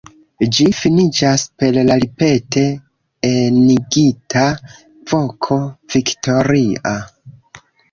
Ĝi finiĝas per la ripete enigita voko „Viktoria!“.